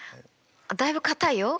だいぶかたいよ。